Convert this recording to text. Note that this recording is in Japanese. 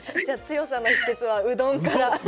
じゃあ強さの秘けつはうどんから。